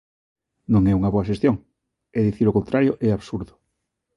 Non é unha boa xestión, e dicir o contrario é absurdo.